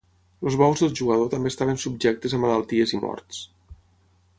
Els bous del jugador també estaven subjectes a malalties i morts.